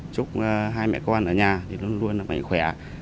chúc hai mẹ con ở nhà luôn luôn mạnh khỏe